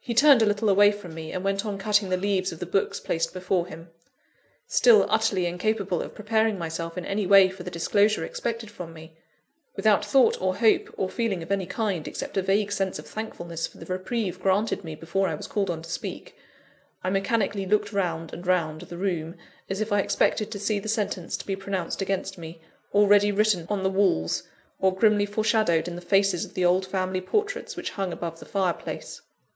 He turned a little away from me, and went on cutting the leaves of the books placed before him. Still utterly incapable of preparing myself in any way for the disclosure expected from me; without thought or hope, or feeling of any kind, except a vague sense of thankfulness for the reprieve granted me before I was called on to speak I mechanically looked round and round the room, as if I expected to see the sentence to be pronounced against me, already written on the walls, or grimly foreshadowed in the faces of the old family portraits which hung above the fireplace.